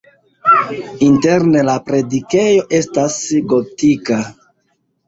Interne la predikejo estas gotika.